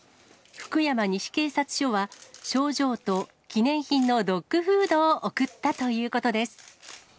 福山西警察署は、賞状と記念品のドッグフードを贈ったということです。